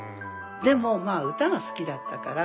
でもまあ歌は好きだったから。